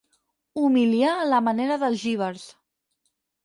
Humiliar a la manera dels jívars.